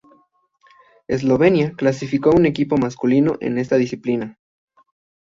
Eslovenia clasificó un equipo masculino en esta disciplina.